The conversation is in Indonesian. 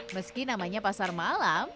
meski namanya pasar malam